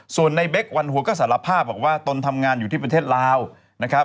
ส่วนในเบควันหัวก็สารภาพบอกว่าตนทำงานอยู่ที่ประเทศลาวนะครับ